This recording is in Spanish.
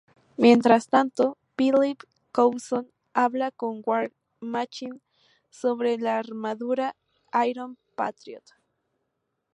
Mientras tanto, Phil Coulson habla con War Machine sobre la armadura Iron Patriot.